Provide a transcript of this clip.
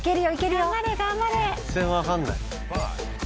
全然分かんない。